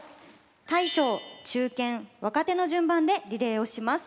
大将中堅若手の順番でリレーをします。